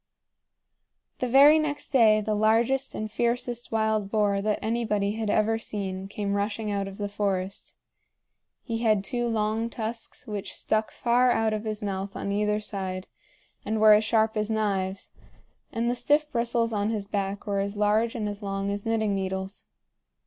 The very next day the largest and fiercest wild boar that anybody had ever seen came rushing out of the forest. He had two long tusks which stuck far out of his mouth on either side and were as sharp as knives, and the stiff bristles on his back were as large and as long as knitting needles.